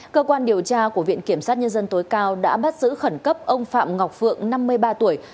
cơ quan điều tra của viện kiểm sát nhân dân tối cao đã bắt giữ khẩn cấp ông phạm ngọc phượng năm mươi ba tuổi